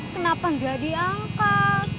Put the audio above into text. kenapa gak diangkat